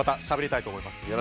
しゃべりたいと思います。